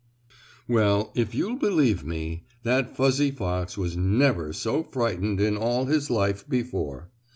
Well, if you'll believe me, that fuzzy fox was never so frightened in all his life before.